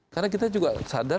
karena kita juga sadar